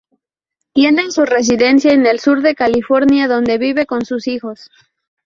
Tiene su residencia en el sur de California donde vive con sus hijos.